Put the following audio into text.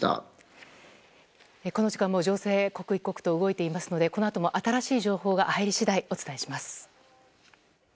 この時間も情勢は刻一刻と動いていますのでこのあとも新しい情報が入り次第お伝えします。